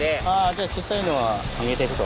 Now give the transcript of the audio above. じゃあ小さいのは逃げてくと。